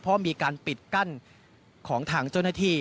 เพราะมีการปิดกั้นของทางเจ้าหน้าที่